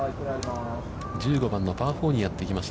１５番のパー４にやってきました。